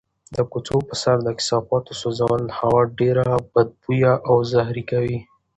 د کوڅو په سر د کثافاتو سوځول هوا ډېره بدبویه او زهري کوي.